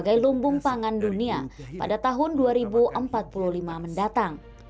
lailung bumpangan dunia pada tahun dua ribu empat puluh lima mendatang